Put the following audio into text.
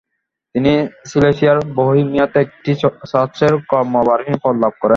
তিনি সিলেসিয়ার বহেমিয়াতে একটি চার্চের কর্মভারহীন পদ লাভ করেন।